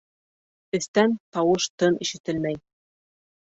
Эстән тауыш-тын ишетелмәй.